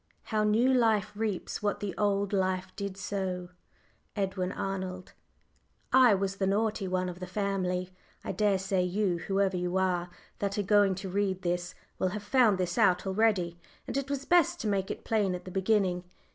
"How new life reaps what the old life did sow." EDWIN ARNOLD. I was the naughty one of the family. I dare say you whoever you are that are going to read this will have found this out already, and it was best to make it plain at the beginning.